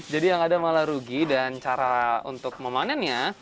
jadi yang ada malah rugi dan cara untuk memanennya